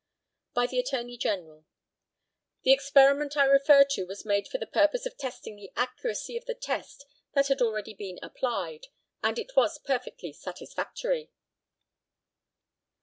By the ATTORNEY GENERAL: The experiment I refer to was made for the purpose of testing the accuracy of the test that had already been applied, and it was perfectly satisfactory.